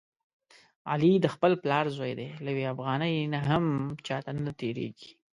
علي د خپل پلار زوی دی، له یوې افغانۍ نه هم چاته نه تېرېږي.